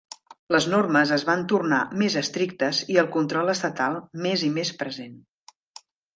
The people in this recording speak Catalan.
Les normes es van tornar més estrictes i el control estatal més i més present.